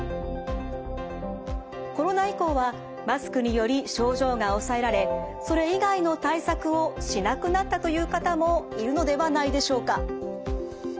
コロナ以降はマスクにより症状が抑えられそれ以外の対策をしなくなったという方もいるのではないでしょうか。